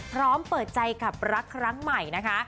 พร้อมเปิดใจกับรักครั้งใหม่นะคะ